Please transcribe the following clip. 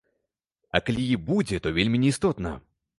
А калі і будзе, то вельмі не істотна.